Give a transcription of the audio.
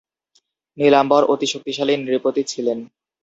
নীলাম্বর অতি শক্তিশালী নৃপতি ছিলেন।